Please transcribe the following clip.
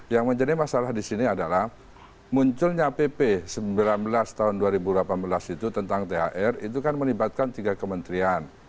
yang menjadi masalah di sini adalah munculnya pp sembilan belas tahun dua ribu delapan belas itu tentang thr itu kan melibatkan tiga kementerian